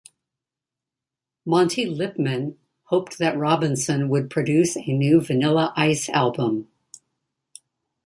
Monte Lipman hoped that Robinson would produce a new Vanilla Ice album.